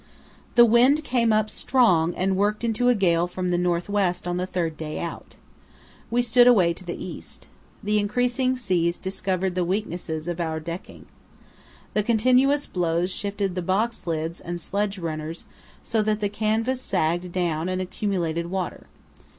The wind came up strong and worked into a gale from the north west on the third day out. We stood away to the east. The increasing seas discovered the weaknesses of our decking. The continuous blows shifted the box lids and sledge runners so that the canvas sagged down and accumulated water.